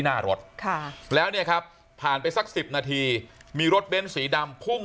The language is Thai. หน้ารถค่ะแล้วเนี่ยครับผ่านไปสัก๑๐นาทีมีรถเบ้นสีดำพุ่ง